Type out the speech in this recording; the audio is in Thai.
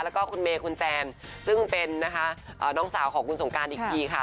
แล้วก็คุณเมย์คุณแจนซึ่งเป็นนะคะน้องสาวของคุณสงการอีกทีค่ะ